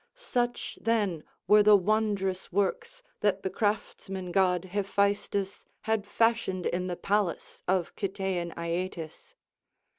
Such then were the wondrous works that the craftsman god Hephaestus had fashioned in the palace of Cytaean Aeetes.